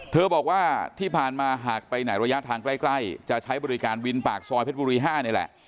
บอกว่าที่ผ่านมาหากไปไหนระยะทางใกล้จะใช้บริการวินปากซอยเพชรบุรี๕นี่แหละ